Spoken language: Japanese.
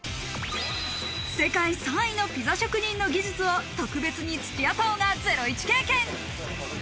世界３位のピザ職人の技術を特別に土屋太鳳がゼロイチ経験。